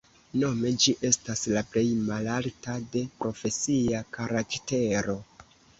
Nome ĝi estas la plej malalta de profesia karaktero.